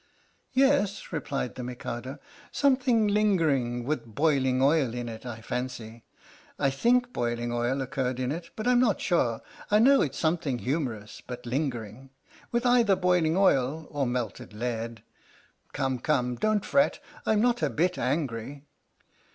"Yes," replied the Mikado, " something linger ing with boiling oil in it, I fancy. I think boiling oil occurs in it, but I'm not sure. I know it's something humorous but lingering, with either boiling oil or melted lead. Come, come, don't fret, I'm not a bit angry."